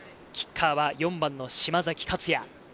キッカーは４番の島崎勝也。